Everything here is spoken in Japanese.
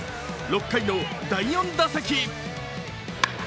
６回の第４打席。